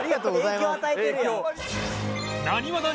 影響与えてるやん。